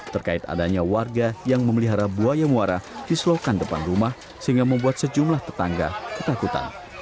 terkait adanya warga yang memelihara buaya muara di selokan depan rumah sehingga membuat sejumlah tetangga ketakutan